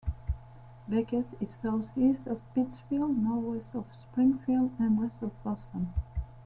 Becket is southeast of Pittsfield, northwest of Springfield, and west of Boston.